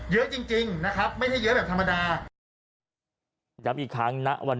เยอะจริงนะครับ